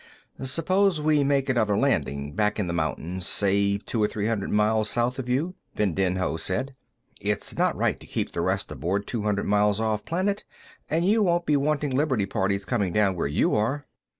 "Suppose we make another landing, back in the mountains, say two or three hundred miles south of you," Vindinho said. "It's not right to keep the rest aboard two hundred miles off planet, and you won't be wanting liberty parties coming down where you are."